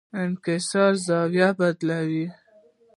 انکسار زاویه بدلوي.